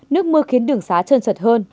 nước mưa khiến đường xá trơn trật hơn